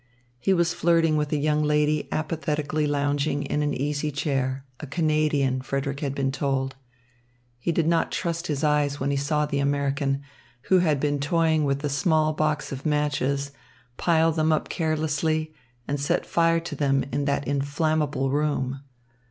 He was flirting with a young lady apathetically lounging in an easy chair, a Canadian, Frederick had been told. He did not trust his eyes when he saw the American, who had been toying with a small box of matches, pile them up carelessly, and set fire to them in that inflammable room.